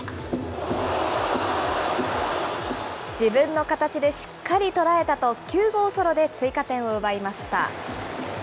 自分の形でしっかり捉えたと、９号ソロで追加点を奪いました。